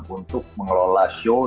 untuk mengelola show dan diperima